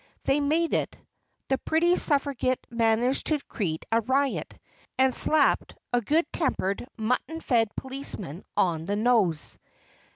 They made it. The pretty suffragette managed to create a riot, and slapped a good tempered, mutton fed policeman on the nose.